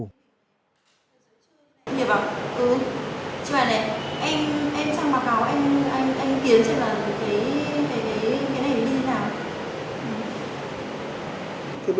người bảo ừ chứ mà này em sang báo cáo anh tiến xem là cái này nó như thế nào